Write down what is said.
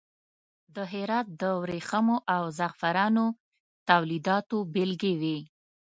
د هرات د وریښمو او زغفرانو تولیداتو بیلګې وې.